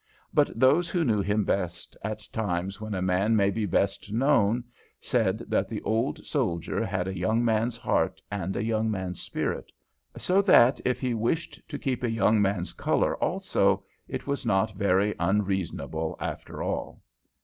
But those who knew him best at times when a man may be best known, said that the old soldier had a young man's heart and a young man's spirit, so that if he wished to keep a young man's colour also it was not very unreasonable after all.